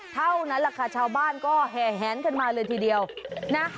เท่านั้นแหละค่ะชาวบ้านก็แห่แหนกันมาเลยทีเดียวนะ